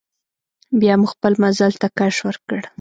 بیا مو خپل مزل ته کش ورکړ.